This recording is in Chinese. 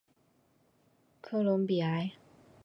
科隆比埃。